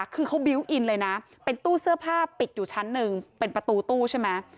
คือเขาบิวต์อินเลยนะเป็นตู้เสื้อผ้าปิดอยู่ชั้นหนึ่งเป็นประตูตู้ใช่ไหม